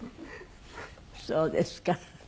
そうですか。